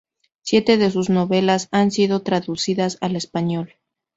Siete de sus novelas han sido traducidas al español.